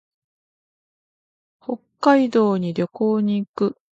北海道に旅行に行く。